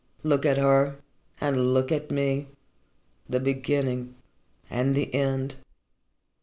Look at her, and look at me the beginning and the end."